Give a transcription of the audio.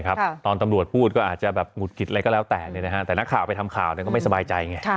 ครับตอนตำรวจพูดก็อาจจะแบบหงุดกิจอะไรก็แล้วแต่เนี่ยนะฮะแต่นักข่าวไปทำข่าวเนี่ยก็ไม่สบายใจไง